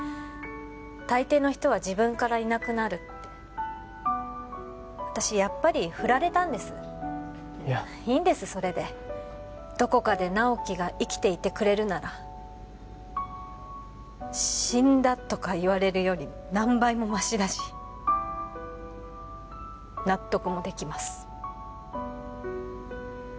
大抵の人は自分からいなくなるって私やっぱりフラれたんですいやいいんですそれでどこかで直木が生きていてくれるなら死んだとか言われるより何倍もましだし納得もできます